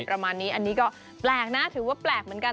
ประมาณนี้อันนี้ก็แปลกนะถือว่าแปลกเหมือนกัน